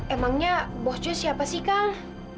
emangnya bos jus siapa sih kang